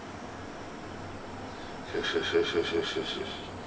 よしよしよしよしよし。